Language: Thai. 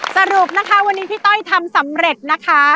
สรุปนะคะวันนี้พี่ต้อยทำสำเร็จนะคะ